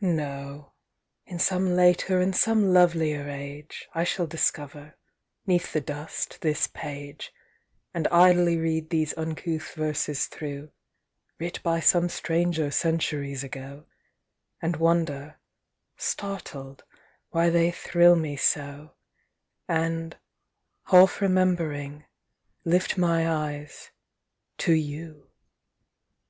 No ; in some later and some lovelier age I shall discover, 'neath the dust, this page. And idly read these uncouth verses through (Writ by some stranger centuries ago), And wonder, startled, why they thrill me so, And, half remembering, lift my eyes â to You!